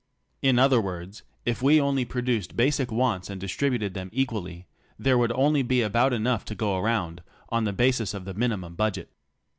In other words, if we only produced basic wants and distributed them equally, there would only be about enough to go around on the basis of the minimum budget.